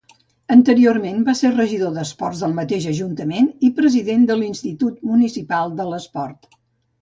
Anteriorment va ésser regidor d'esports del mateix ajuntament i president de l'Institut Municipal de l'Esport.